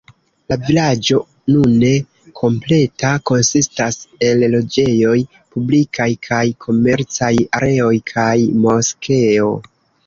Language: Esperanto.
La vilaĝo, nune kompleta, konsistas el loĝejoj, publikaj kaj komercaj areoj, kaj moskeo.